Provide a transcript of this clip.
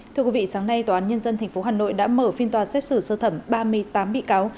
thưa quý vị sáng nay tòa án nhân dân tp hà nội đã mở phiên tòa xét xử sơ thẩm ba mươi tám bị cáo